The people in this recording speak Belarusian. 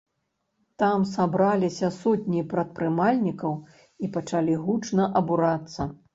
Там сабраліся сотні прадпрымальнікаў і пачалі гучна абурацца.